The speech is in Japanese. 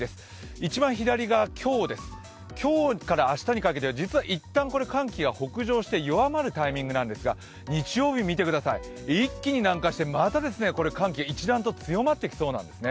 一番左が今日です、今日から明日にかけて実はいったん寒気が北上して弱まるタイミングなんですが、日曜日、一気に南下して、また一段と寒気が強まっていきそうです。